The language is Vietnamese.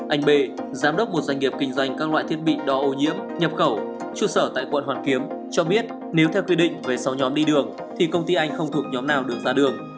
anh b giám đốc một doanh nghiệp kinh doanh các loại thiết bị đo ô nhiễm nhập khẩu trụ sở tại quận hoàn kiếm cho biết nếu theo quy định về sáu nhóm đi đường thì công ty anh không thuộc nhóm nào được ra đường